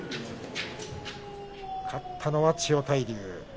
勝ったのは千代大龍。